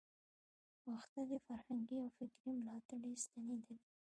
غښتلې فرهنګي او فکري ملاتړې ستنې لري.